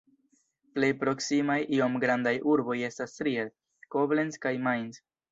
Plej proksimaj iom grandaj urboj estas Trier, Koblenz kaj Mainz.